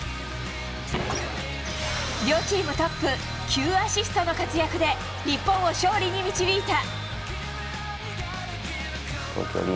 両チームトップ９アシストの活躍で日本を勝利に導いた。